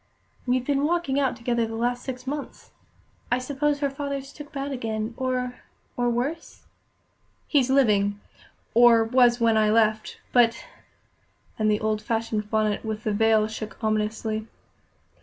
"We've been walking out together the last six months. I suppose her father's took bad again, or or worse?" "He's living or was when I left; but " and the old fashioned bonnet with the veil shook ominously.